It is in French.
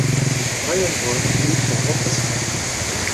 Ryan Brown fut son remplaçant.